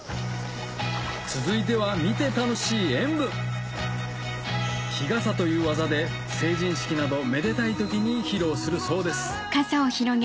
続いては見て楽しい演武日傘という技で成人式などめでたい時に披露するそうです